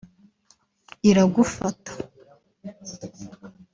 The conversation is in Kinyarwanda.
iragufata